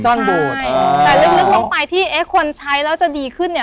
ไปซ่อนโบสถ์อ่าแต่ลึกลึกลงไปที่เอ๊ะคนใช้แล้วจะดีขึ้นเนี่ย